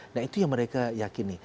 nah itu yang mereka yakini